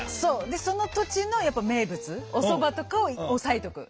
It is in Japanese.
でその土地のやっぱ名物おそばとかを押さえとく。